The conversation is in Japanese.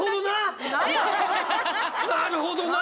なるほどな！